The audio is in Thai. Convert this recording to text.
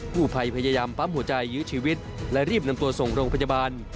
ผู้ภัยพยายามปั๊มหัวใจยื้อชีวิตและรีบนำตัวส่งโรงพยาบาล